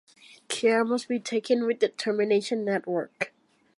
Care must be taken with the termination network.